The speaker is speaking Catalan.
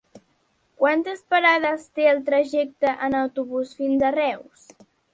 Quantes parades té el trajecte en autobús fins a Reus?